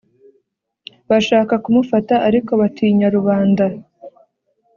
Bashaka kumufata ariko batinya rubanda